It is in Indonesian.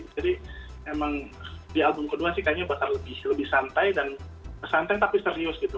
jadi emang di album kedua sih kayaknya bakal lebih santai dan santai tapi serius gitu